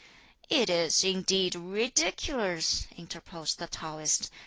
"It is indeed ridiculous," interposed the Taoist.